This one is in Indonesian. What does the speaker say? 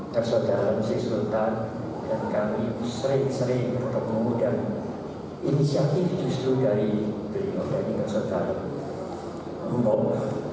dan saudara saudara sri sultan dan kami sering sering bertemu dan inisiatif disitu dari berimu dan ingat saudara saudara